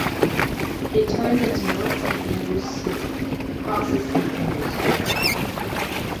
It turns into North Saint Andrew Street, crosses Saint Andrew Square.